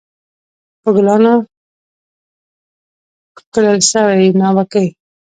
په ګلانو ښکلل سوې ناوکۍ